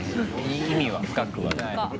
意味は深くはない。